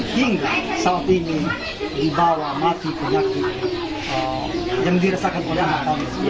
hingga saat ini dibawa mati penyakit yang dirasakan oleh mahkamah